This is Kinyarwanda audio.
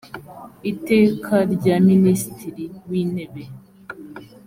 iteka rya minisitiri w intebe